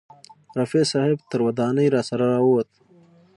رفیع صاحب تر ودانۍ راسره راوووت.